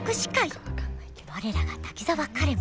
我らが滝沢カレン